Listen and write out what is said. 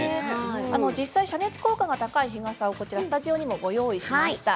実際、遮熱効果が高い日傘をスタジオにもご用意しました。